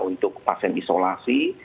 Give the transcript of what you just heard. untuk pasien isolasi